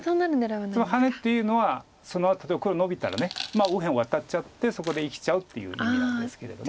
つまりハネっていうのはそのあと例えば黒ノビたら右辺ワタっちゃってそこで生きちゃうっていう意味なんですけれども。